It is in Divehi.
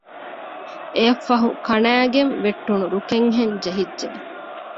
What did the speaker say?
އެއަށްފަހު ކަނައިގެން ވެއްޓުނު ރުކެއްހެން ޖެހިއްޖެ